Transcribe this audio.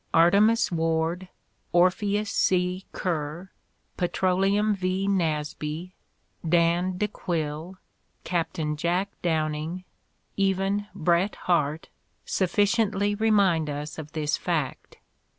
Artemus Ward, Orpheus C. Ker, Petroleum V. Nasby, Dan de Quille, Captain Jack Downing, even Bret Harte, sufficiently remind us of this fact.